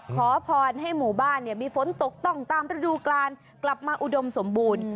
ขอพรให้หมู่บ้านมีฝนตกต้องตามฤดูกาลกลับมาอุดมสมบูรณ์